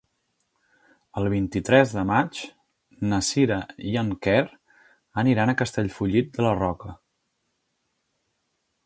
El vint-i-tres de maig na Sira i en Quer aniran a Castellfollit de la Roca.